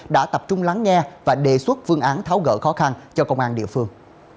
đã tập trung lắng nghe và đề xuất vương án tháo gỡ khó khăn cho công an địa phương